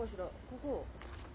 ここ。